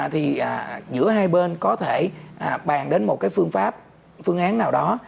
thì giữa hai bên có thể bàn đến một cái phương pháp phương án nào đó